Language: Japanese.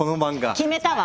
決めたわ！